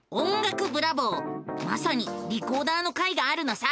まさにリコーダーの回があるのさ！